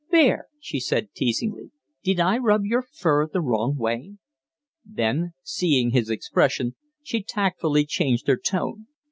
"Bear!" she said, teasingly. "Did I rub your fur the wrong way?" Then, seeing his expression, she tactfully changed her tone.